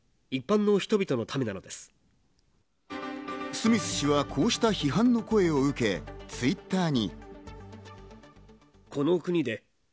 スミス氏はこうした批判の声を受けＴｗｉｔｔｅｒに。